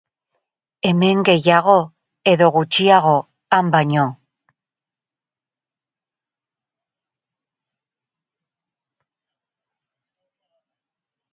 Hemen gehiago, edo gutxiago, han baino.